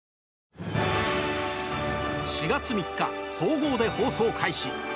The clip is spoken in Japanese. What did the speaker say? ４月３日総合で放送開始